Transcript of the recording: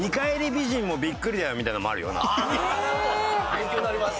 勉強になります。